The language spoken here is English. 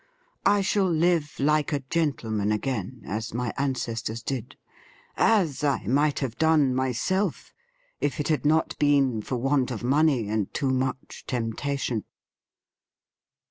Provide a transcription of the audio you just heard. I shall live like a gentleman again, as my ancestors did — as I might have done myself if it had not been for want of money and too much temptation.